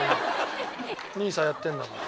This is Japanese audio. ＮＩＳＡやってんだから。